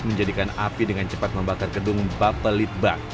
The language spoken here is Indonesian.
menjadikan api dengan cepat membakar gedung bapelitbang